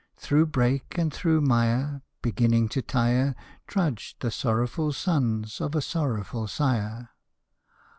Through brake and through mire, Beginning to tire, Trudged the sorrowful sons of a sorrowful sire.